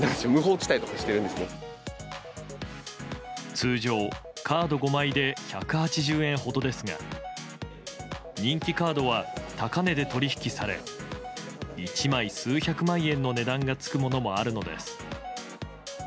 通常、カード５枚で１８０円ほどですが人気カードは高値で取引され１枚、数百万円の値段が付くものもあるのです。